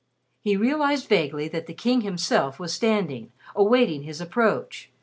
He realized vaguely that the King himself was standing, awaiting his approach.